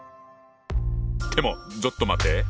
でもちょっと待って。